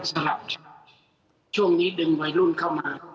สำหรับชาวช่วงนี้ดึงลูนเข้ามา